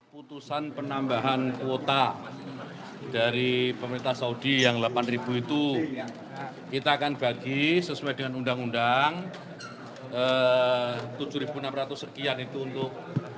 putusan penambahan kuota dari pemerintah saudi yang delapan itu kita akan bagi sesuai dengan undang undang tujuh enam ratus sekian itu untuk